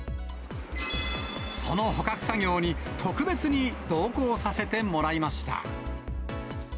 その捕獲作業に、特別に同行させてもらいました。